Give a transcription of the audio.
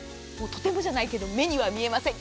とてもじゃないけど目には見えません。